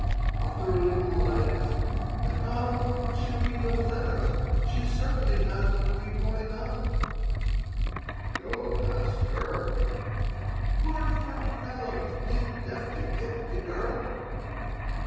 After a little I asked: "But how could she read those letters? She certainly does not read holy tongue?" "Go ask her." "You're a funny fellow. Did Tevkin get the girl?"